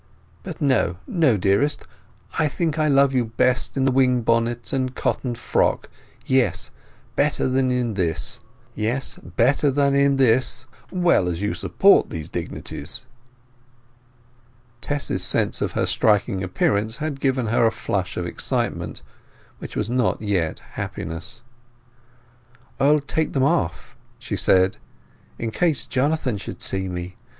"But no—no, dearest; I think I love you best in the wing bonnet and cotton frock—yes, better than in this, well as you support these dignities." Tess's sense of her striking appearance had given her a flush of excitement, which was yet not happiness. "I'll take them off," she said, "in case Jonathan should see me.